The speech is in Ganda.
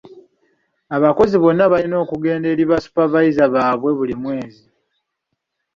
Abakozi bonna balina okugenda eri ba supervisor baabwe buli mwezi.